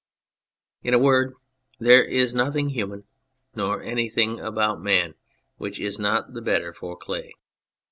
In a word, there is nothing human nor anything about man which is not the better for clay.